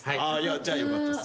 じゃあよかったっす。